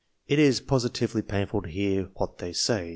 It is positively painful to hear what they say.